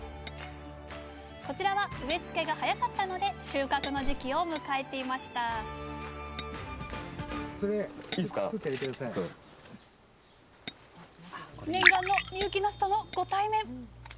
こちらは植え付けが早かったので収穫の時期を迎えていました念願の深雪なすとのご対面！